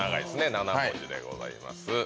７文字でございます。